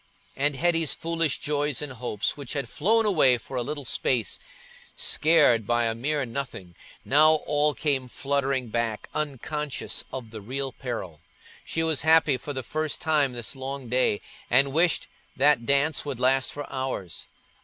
And Hetty's foolish joys and hopes, which had flown away for a little space, scared by a mere nothing, now all came fluttering back, unconscious of the real peril. She was happy for the first time this long day, and wished that dance would last for hours.